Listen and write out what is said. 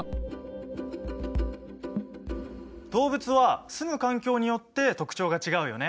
動物はすむ環境によって特徴が違うよね。